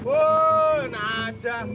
oh nah aja